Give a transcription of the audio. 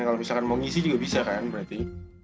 kalau misalkan mau ngisi juga bisa kan berarti